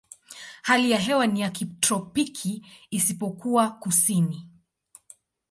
Hali ya hewa ni ya kitropiki isipokuwa kusini.